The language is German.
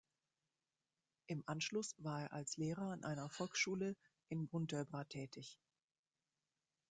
Im Anschluss war er als Lehrer an einer Volksschule in Brunndöbra tätig.